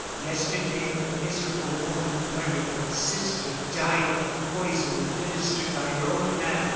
Yesterday, the miserable woman who murdered my sister died from poison administered by her own hand.